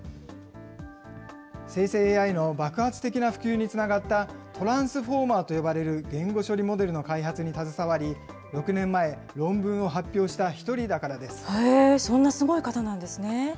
生成ＡＩの爆発的な普及につながったトランスフォーマーと呼ばれる言語処理モデルの開発に携わり、６年前、論文を発表した１人だかそんなすごい方なんですね。